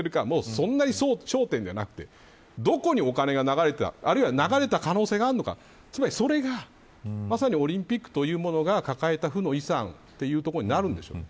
そんなに焦点ではなくてどこにお金が流れたあるいは流れた可能性があるのかつまりそれが、オリンピックというものが抱えた負の遺産というところになるんでしょう。